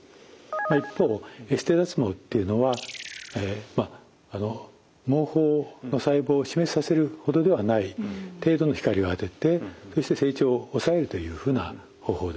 一方エステ脱毛っていうのは毛包の細胞を死滅させるほどではない程度の光を当ててそして成長を抑えるというふうな方法です。